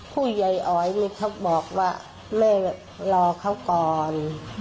ผู้ใหญ่อ๋อยนี่เขาบอกว่าแม่รอเขาก่อน